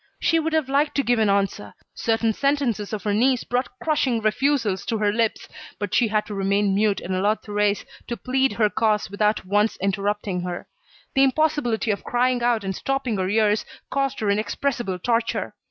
She would have liked to give an answer; certain sentences of her niece brought crushing refusals to her lips, but she had to remain mute and allow Thérèse to plead her cause without once interrupting her. The impossibility of crying out and stopping her ears caused her inexpressible torture.